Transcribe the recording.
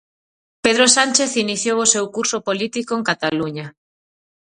Pedro Sánchez iniciou o seu curso político en Cataluña.